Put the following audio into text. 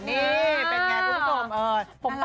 นี่เป็นไงทุกคน